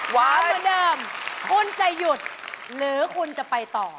หวานเหมือนเดิมคุณจะหยุดหรือคุณจะไปต่อ